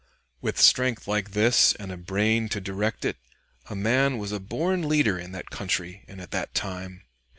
With strength like this and a brain to direct it, a man was a born leader in that country and at that time.